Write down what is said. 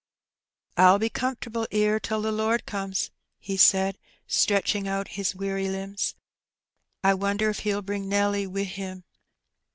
^'FU be comfortable ^ere till the Lord comes,^^ he said, stretching out his weary limbs. "I wonder if He'll bring Nelly wi' Him?''